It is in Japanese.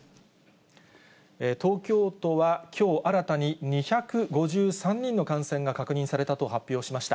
東京都はきょう新たに２５３人の感染が確認されたと発表しました。